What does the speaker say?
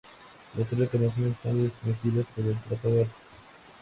Las tres reclamaciones están restringidas por el Tratado Antártico.